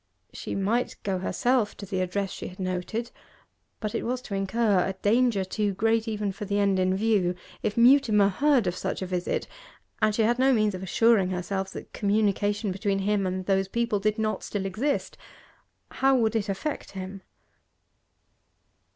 She might go herself to the address she had noted, but it was to incur a danger too great even for the end in view. If Mutimer heard of such a visit and she had no means of assuring herself that communication between him and those people did not still exist how would it affect him?